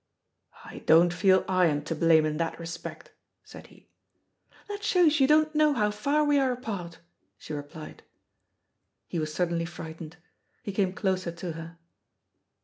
"I don't feel I am to blame in that respect," said he. "That shows you don't know how far we are apart," she replied. He was suddenly frightened. He came closer to her.